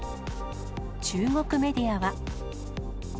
中国メディアは。